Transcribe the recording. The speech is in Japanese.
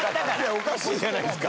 おかしいじゃないですか。